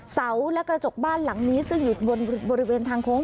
เสาและกระจกบ้านหลังนี้ซึ่งอยู่บริเวณทางโค้ง